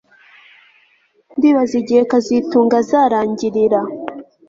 Ndibaza igihe kazitunga azarangirira